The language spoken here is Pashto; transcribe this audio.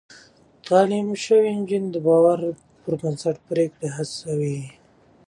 تعليم شوې نجونې د باور پر بنسټ پرېکړې هڅوي.